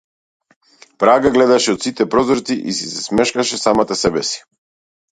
Прага гледаше од сите прозорци и си се смешкаше самата себеси.